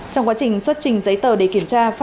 trong quá trình xuất trình giấy tờ để kiểm tra